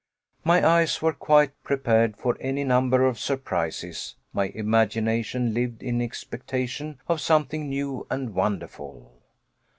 My eyes were quite prepared for any number of surprises, my imagination lived in expectation of something new and wonderful.